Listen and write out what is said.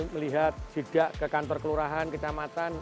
ketika melihat tidak ke kantor kelurahan ke camatan